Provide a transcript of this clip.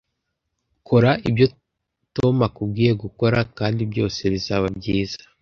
Kora ibyo Tom akubwiye gukora kandi byose bizaba byiza